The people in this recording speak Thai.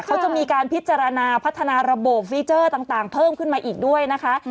เขาจะมีการพิจารณาพัฒนาระบบฟีเจอร์ต่างเพิ่มขึ้นมาอีกด้วยนะคะ